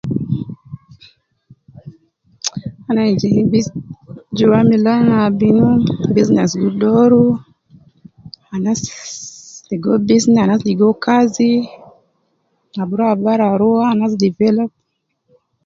Mcha, ana ain juwa milan abinu, business gi doru, anas ligo business anas ligo kazi, ab rua bara rua, anas develop